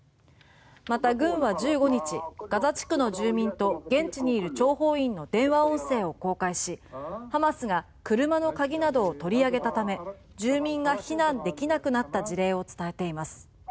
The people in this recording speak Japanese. また軍は１５日ガザ地区の住民と現地にいる諜報員の電話音声を公開しハマスが車の鍵などを取り上げたため住民が避難できなくなった事例を伝えています。